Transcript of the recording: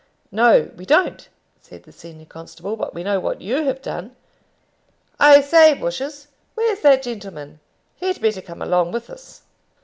"No, we don't," said the senior constable; "but we know what you have done. I say, Bushers, where's that gentleman? He'd better come along with us."